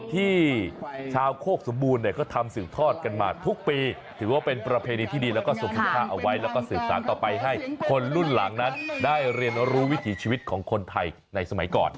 ที่ชาวโคกสมบูรณ์เนี่ยเขาทำสืบทอดกันมาทุกปีถือว่าเป็นประเพณีที่ดีแล้วก็ส่งคุณค่าเอาไว้แล้วก็สืบสารต่อไปให้คนรุ่นหลังนั้นได้เรียนรู้วิถีชีวิตของคนไทยในสมัยก่อน